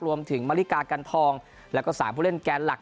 มาถึงมาริกากันทองแล้วก็๓ผู้เล่นแกนหลัก